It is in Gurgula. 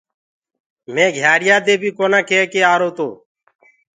مي گھيآريآ دي بي ڪونآ ڪيڪي آرو تو